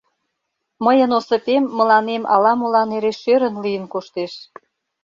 Мыйын Осыпем мыланем ала-молан эре шӧрын лийын коштеш...